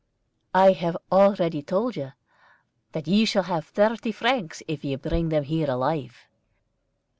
"I have already told you that you shall have thirty francs if you bring them here alive."